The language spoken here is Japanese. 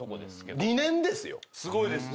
すごいですね。